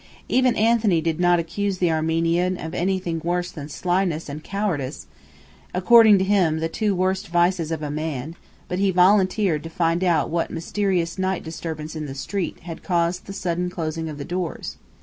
Even Anthony did not accuse the Armenian of anything worse than slyness and cowardice, according to him the two worst vices of a man; but he volunteered to find out what mysterious night disturbance in the street had caused the sudden closing of the doors.